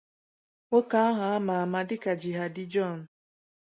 Nwoke ahụ a ma ama dịka Jihadi John